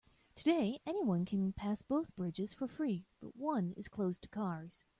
Today, anyone can pass both bridges for free, but one is closed to cars.